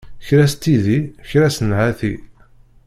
Kra s tidi, kra s nnhati.